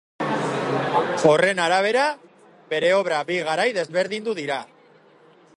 Horren arabera, bere obra bi garai desberdindu dira.